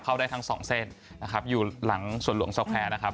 เข้าได้ทั้งสองเส้นอยู่หลังส่วนหลวงสแควร์